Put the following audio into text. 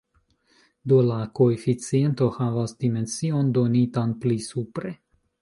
Do la koeficiento havas dimension donitan pli supre.